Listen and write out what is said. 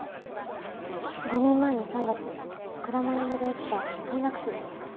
５年前の３月鞍馬山で起きた転落死です。